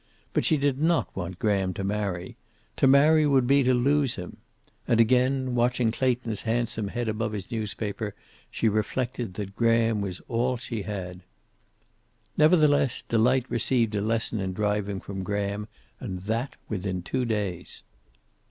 But she did not want Graham to marry. To marry would be to lose him. And again, watching Clayton's handsome head above his newspaper, she reflected that Graham was all she had. Nevertheless, Delight received a lesson in driving from Graham, and that within two days.